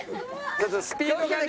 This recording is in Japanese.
ちょっとスピードがね。